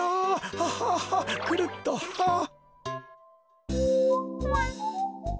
ハハハックルッとハッ。